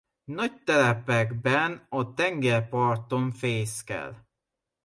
Nagy telepekben a tengerparton fészkel.